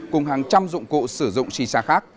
cùng hàng trăm dụng cụ sử dụng shisha khác